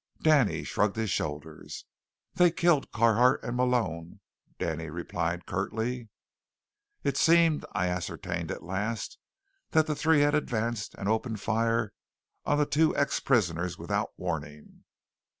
Danny shrugged his shoulders. "They killed Carhart and Malone," Danny replied curtly. It seemed, I ascertained at last, that the three had advanced and opened fire on the two ex prisoners without warning.